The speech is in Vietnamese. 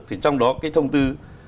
thì trong đó cái thông tư